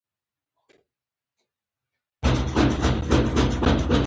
جميلې وويل:: دا تاسي یاست، حیرانه شوم.